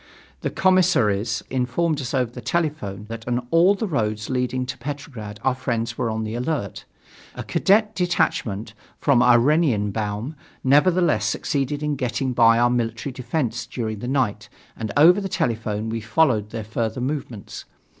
The commissaries informed us over the telephone that on all the roads leading to Petrograd our friends were on the alert. A cadet detachment from Oranienbaum nevertheless succeeded in getting by our military defence during the night and over the telephone we followed their further movements.